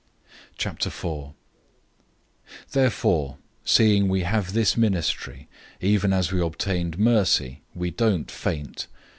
004:001 Therefore seeing we have this ministry, even as we obtained mercy, we don't faint.